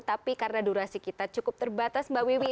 tapi karena durasi kita cukup terbatas mbak wiwi